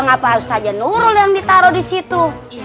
kenapa ustazah nurul yang ditaro disitu